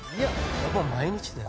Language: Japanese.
やっぱ毎日だよ。